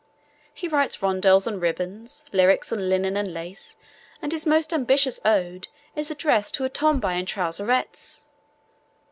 He writes rondels on ribbons, lyrics on linen and lace, and his most ambitious ode is addressed to a Tomboy in Trouserettes!